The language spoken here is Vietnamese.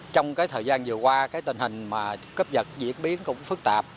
trong thời gian vừa qua tình hình cướp giật diễn biến cũng phức tạp